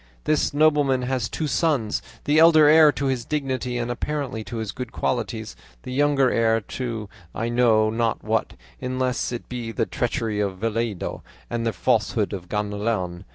This nobleman has two sons, the elder heir to his dignity and apparently to his good qualities; the younger heir to I know not what, unless it be the treachery of Vellido and the falsehood of Ganelon.